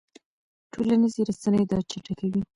ټولنیزې رسنۍ دا چټکوي.